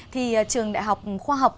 thì trường đại học khoa học